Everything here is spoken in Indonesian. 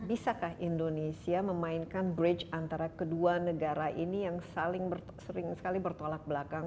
bisakah indonesia memainkan bridge antara kedua negara ini yang sering sekali bertolak belakang